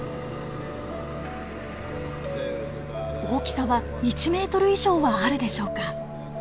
大きさは１ｍ以上はあるでしょうか。